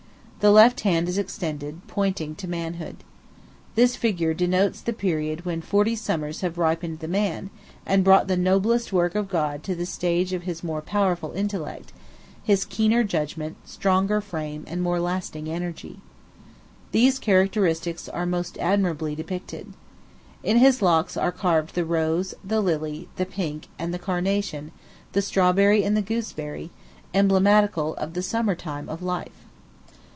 The left hand is extended, pointing to Manhood. This figure denotes the period when forty summers have ripened the man, and brought the noblest work of God to that stage of his more powerful intellect, his keener judgment, stronger frame, and more lasting energy. These characteristics are most admirably depicted. In his locks are carved the rose, the lily, the pink, and the carnation, the strawberry and the gooseberry emblematical of the summer time of life.